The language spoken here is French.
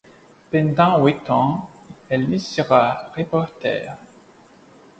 Pendant huit ans, elle y sera reporteur.